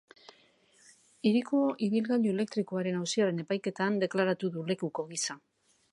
Hiriko ibilgailu elektrikoaren auziaren epaiketan deklaratu du lekuko gisa.